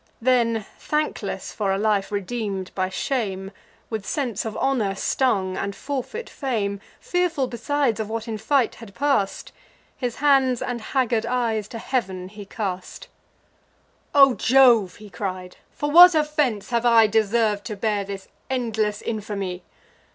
Then, thankless for a life redeem'd by shame, With sense of honour stung, and forfeit fame, Fearful besides of what in fight had pass'd, His hands and haggard eyes to heav'n he cast; "O Jove!" he cried, "for what offence have I Deserv'd to bear this endless infamy?